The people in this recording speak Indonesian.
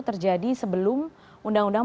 terjadi sebelum undang undang